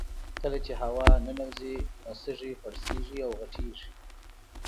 کله چې هوا ننوځي نو سږي پړسیږي او غټیږي